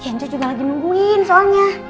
kence juga lagi nungguin soalnya